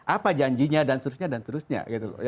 apa janjinya dan seterusnya